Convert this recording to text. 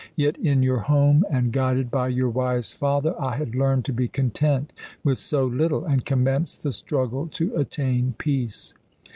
Yet in your home, and guided by your wise father, I had learned to be content with so little, and commenced the struggle to attain peace.